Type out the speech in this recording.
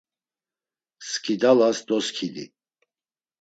Skidalas doskidi.